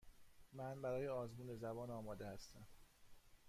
من برای آزمون زبان آماده هستم.